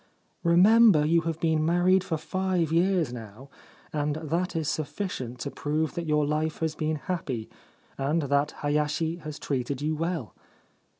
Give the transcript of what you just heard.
Remember you have been married for five years now, and that is sufficient to prove that your life has been happy, and that Hayashi has treated you well.'